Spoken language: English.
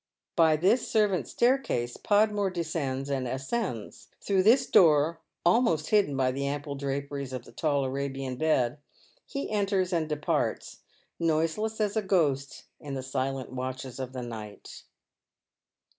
By this servants' staircase Podmore descends and ascends ; through tliis door, almost hidden by the ample draperies of the tall Arabian bed, he enters and departs, noise less as a ghost in the silent watches of the night.